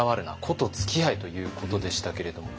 “個”とつきあえ」ということでしたけども。